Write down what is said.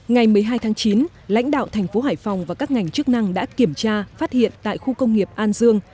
ngày một mươi hai tháng chín lãnh đạo thành phố hải phòng và các ngành chức năng đã kiểm tra phát hiện tại khu công nghiệp an dương